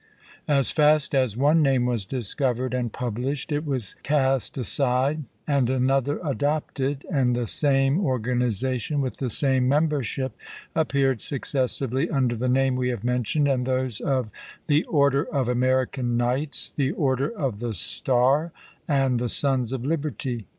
As fast as one name was discovered and published it was cast aside and another adopted, and the same organization with the same mem bership appeared successively under the name we have mentioned and those of " The Order of American Knights," " The Order of the Star," and the " Sons of Liberty."